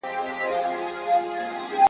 له غړومبي د تندر ټوله وېرېدله ..